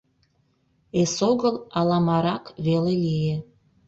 Эсогыл аламарак веле лие.